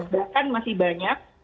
bahkan masih banyak